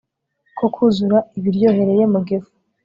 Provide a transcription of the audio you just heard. ko kuzuza ibiryohereye mu gifu